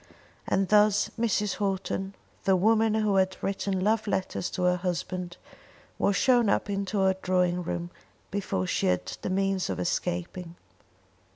And thus Mrs. Houghton, the woman who had written love letters to her husband, was shown up into her drawing room before she had the means of escaping.